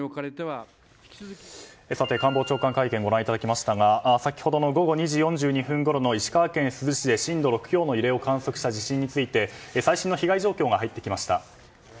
官房長官会見をご覧いただきましたが先ほどの午後２時４２分ごろの石川県珠洲市で震度６強の揺れを観測した地震について最新の被害情報が入ってきました。